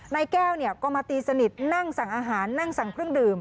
นายแก้วก็มาตีสนิทนั่งสั่งอาหารนั่งสั่งเครื่องดื่ม